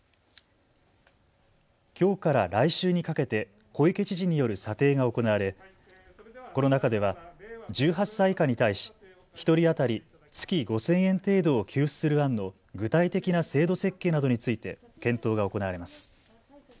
きょうから来週にかけて小池知事による査定が行われこの中では１８歳以下に対し１人当たり月５０００円程度を給付する案の具体的な制度設計などについて検討が行われます。